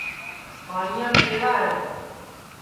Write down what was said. پاٹٹؔیام کیرا ہے